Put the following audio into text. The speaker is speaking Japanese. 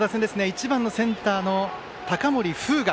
１番センターの高森風我。